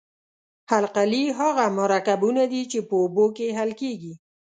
القلي هغه مرکبونه دي چې په اوبو کې حل کیږي.